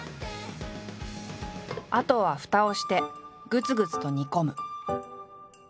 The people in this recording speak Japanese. あとはふたをしてぐつぐつと煮込む。